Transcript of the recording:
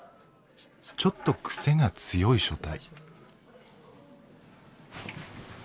ちょっと癖が強い書体。